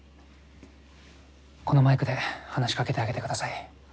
このマイクで話し掛けてあげてください。